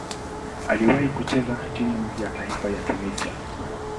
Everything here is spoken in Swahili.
Aliwahi kucheza timu ya taifa ya Tunisia.